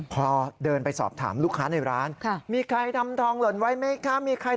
พอเดินไปสอบถามลูกค้าในร้านมีใครทำทองหล่นไว้ไหมคะ